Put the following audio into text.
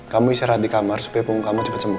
kamu istirahat di kamar supaya punggung kamu cepat sembuh